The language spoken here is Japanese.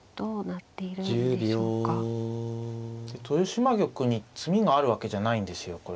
豊島玉に詰みがあるわけじゃないんですよ